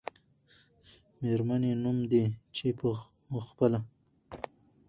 میرمنې نوم دی، چې په خپله